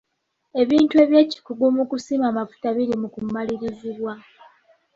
Ebintu eby'ekikugu mu kusima amafuta biri mu kumalirizibwa.